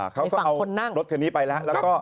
เขาก็เอารถคันนี้ไปแล้ว